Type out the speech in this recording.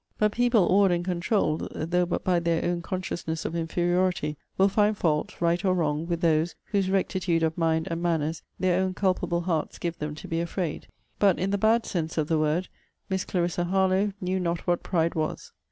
But people awed and controuled, though but by their own consciousness of inferiority, will find fault, right or wrong, with those, whose rectitude of mind and manners their own culpable hearts give them to be afraid. But, in the bad sense of the word, Miss Clarissa Harlowe knew not what pride was.